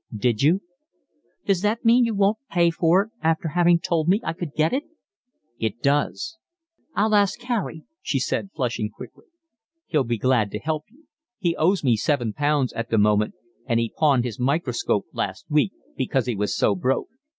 "Did you?" "Does that mean you won't pay for it after having told me I could get it?" "It does." "I'll ask Harry," she said, flushing quickly. "He'll be glad to help you. He owes me seven pounds at the moment, and he pawned his microscope last week, because he was so broke."